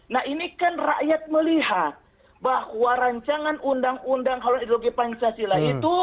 nah ini kan rakyat melihat bahwa rancangan undang undang haluan ideologi pancasila itu